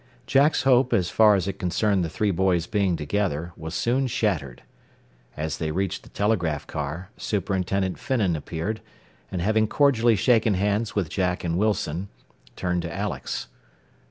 Jack's hope, as far as it concerned the three boys being together, was soon shattered. As they reached the telegraph car, Superintendent Finnan appeared, and having cordially shaken hands with Jack and Wilson, turned to Alex.